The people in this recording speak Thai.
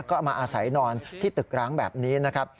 ก็เอามาอาศัยนอนที่ตึกร้างแบบนี้นะครับ